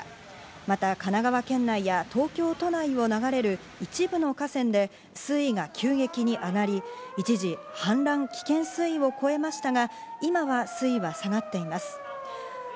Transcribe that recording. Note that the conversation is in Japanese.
また神奈川県内や東京都内を流れる一部の河川で水位が急激に上がり、一時、氾濫危険水位を超えましたが今は水位は下がっています。